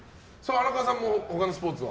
荒川さんも他のスポーツは？